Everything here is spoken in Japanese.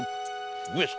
上様。